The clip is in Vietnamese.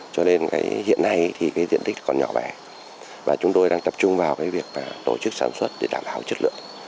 cho nên hiện nay thì diện tích còn nhỏ vẻ và chúng tôi đang tập trung vào việc tổ chức sản xuất để đảm bảo chất lượng